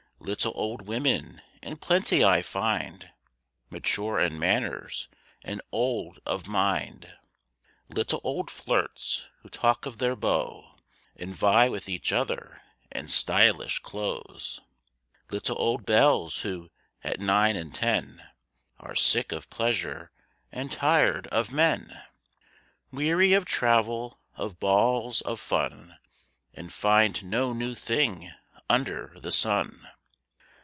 Little old women in plenty I find, Mature in manners and old of mind; Little old flirts who talk of their "beaux," And vie with each other in stylish clothes. Little old belles who, at nine and ten, Are sick of pleasure and tired of men; Weary of travel, of balls, of fun, And find no new thing under the sun.